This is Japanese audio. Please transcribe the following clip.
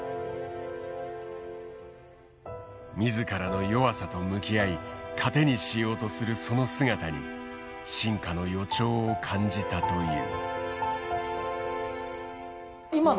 自らの弱さと向き合い糧にしようとするその姿に進化の予兆を感じたという。